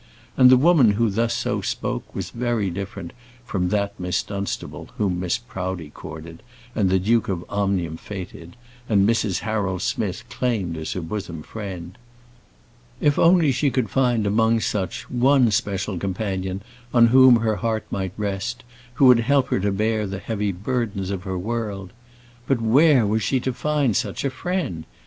And the woman who thus so spoke was very different from that Miss Dunstable whom Mrs. Proudie courted, and the Duke of Omnium fêted, and Mrs. Harold Smith claimed as her bosom friend. If only she could find among such one special companion on whom her heart might rest, who would help her to bear the heavy burdens of her world! But where was she to find such a friend?